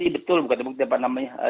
bukti betul bukan dibukti apa namanya